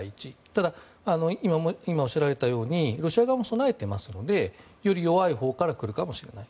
ただ、今、おっしゃられたようにロシア側も備えてますのでより弱いほうから来るかもしれない。